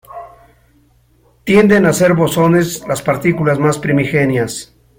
Tienden a ser bosones las partículas más primigenias.